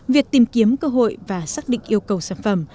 việc tìm kiếm cơ hội và xác định yêu cầu sản phẩm